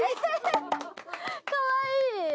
かわいい！